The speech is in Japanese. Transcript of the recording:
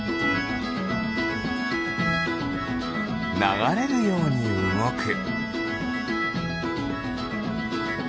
ながれるようにうごく。